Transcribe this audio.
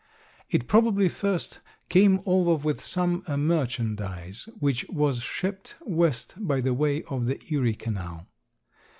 It probably first came over with some merchandise, which was shipped west by the way of the Erie canal.